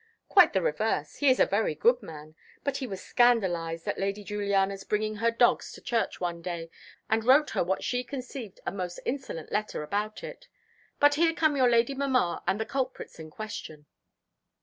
"Quite the reverse. He is a very good man; but he was scandalised at Lady Juliana's bringing her dogs to church one day, and wrote her what she conceived a most insolent letter about it. But here come your lady mamma and the culprits in question."